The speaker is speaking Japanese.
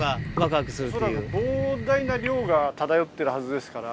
恐らく膨大な量が漂ってるはずですから。